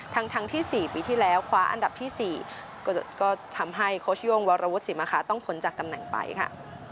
ทั้งทั้งที่สี่ปีที่แล้วคว้าอันดับที่สี่ก็ก็ทำให้โคชย่วงวรรวศิมคาต้องพ้นจากตำแหน่งไปค่ะ